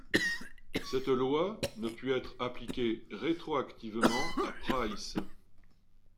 Cette loi ne put être appliquée rétroactivement à Price.